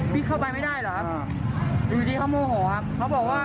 เข้าไปไม่ได้เหรอครับอยู่ดีเขาโมโหครับเขาบอกว่า